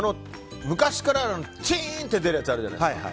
昔から、チーンと出るやつあるじゃないですか。